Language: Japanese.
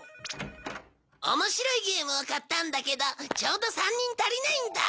面白いゲームを買ったんだけどちょうど３人足りないんだ。